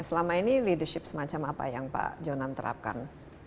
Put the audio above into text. selama ini leadership semacam apa yang pak jonan terapkan